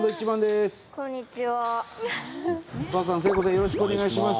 よろしくお願いします。